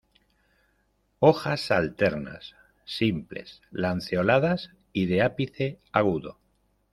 Hojas alternas, simples, lanceoladas y de ápice agudo.